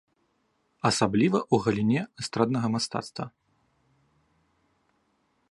Асабліва ў галіне эстраднага мастацтва.